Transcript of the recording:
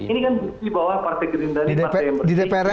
ini kan bukti bahwa partai gerindra di dprd